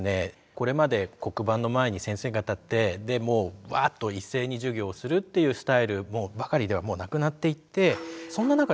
これまで黒板の前に先生が立ってもうワーッと一斉に授業をするっていうスタイルばかりではもうなくなっていって。